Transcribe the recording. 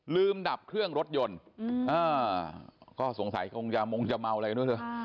ลืมดับเครื่องรถยนต์ก็สงสัยมงจะเมาอะไรกันด้วย